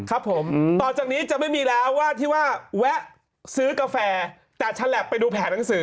ตอนจากนี้จะไม่มีแล้วว่าที่ว่าแวะซื้อกาแฟแต่ฉันแหลบไปดูแผ่หนังสือ